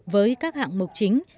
với các hạng mục chính